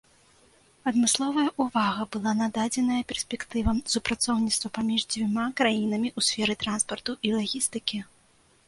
Адмысловая ўвага была нададзеная перспектывам супрацоўніцтва паміж дзвюма краінамі ў сферы транспарту і лагістыкі.